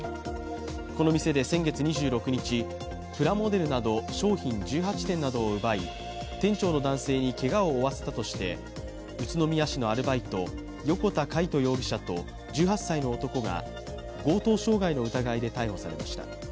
この店で先月２６日、プラモデルなど商品１８点を奪い店長の男性にけがを負わせたとして宇都宮市のアルバイト、横田魅人容疑者と、１８歳の男が強盗傷害の疑いで逮捕されました。